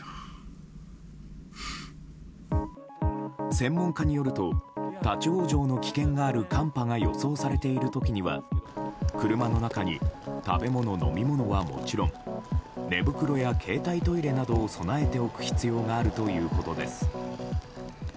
専門家によると立ち往生の危険がある寒波が予想されている時には車の中に食べ物、飲み物はもちろん寝袋や携帯トイレなどを備えておく必要があるということです。